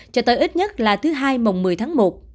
cho tới ít nhất là thứ hai mùng một mươi tháng một